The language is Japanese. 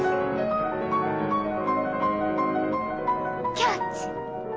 キャッチ！